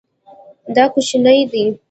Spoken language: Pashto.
دا کوچنی دی